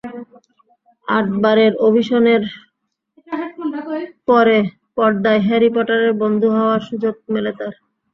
আটবারের অডিশনের পরে পর্দায় হ্যারি পটারের বন্ধু হওয়ার সুযোগ মেলে তাঁর।